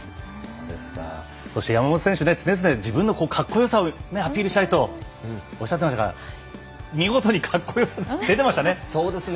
そして、山本選手常々自分の格好よさをアピールしたいとおっしゃってましたが格好よさ、出てましたね。